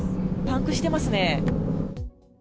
パンクしてますね。